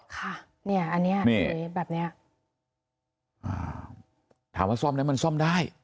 ค่ะเนี่ยอันนี้แบบเนี่ยถามว่าซ่อมไหนมันซ่อมได้